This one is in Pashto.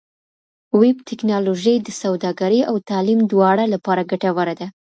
ویب ټکنالوژي د سوداګرۍ او تعلیم دواړو لپاره ګټوره ده.